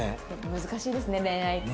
難しいですね恋愛って。